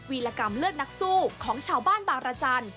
ีรกรรมเลือดนักสู้ของชาวบ้านบางรจันทร์